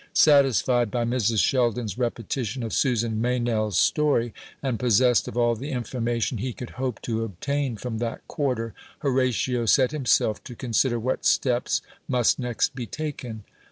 Satisfied by Mrs. Sheldon's repetition of Susan Meynell's story, and possessed of all the information he could hope to obtain from that quarter, Horatio set himself to consider what steps must next be taken.